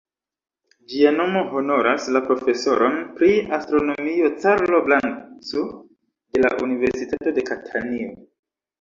Ĝia nomo honoras la profesoron pri astronomio "Carlo Blanco", de la Universitato de Katanio.